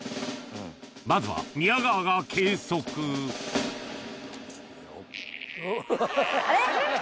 まずは宮川が計測あれ？